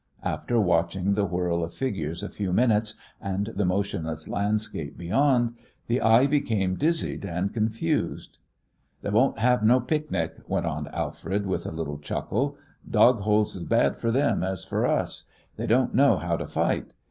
After watching the whirl of figures a few minutes, and the motionless landscape beyond, the eye became dizzied and confused. "They won't have no picnic," went on Alfred, with a little chuckle. "Dog hole's as bad fer them as fer us. They don't know how to fight.